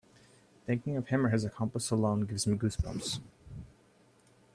Thinking of him or his accomplice alone gives me goose bumps.